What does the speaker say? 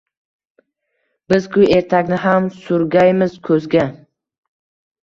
Biz-ku ertakni ham surgaymiz ko’zga